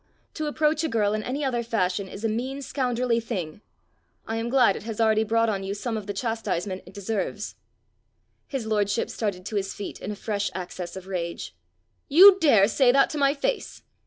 To approach a girl in any other fashion is a mean scoundrelly thing. I am glad it has already brought on you some of the chastisement it deserves." His lordship started to his feet in a fresh access of rage. "You dare say that to my face!"